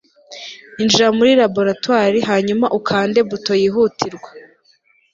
injira muri laboratoire hanyuma ukande buto yihutirwa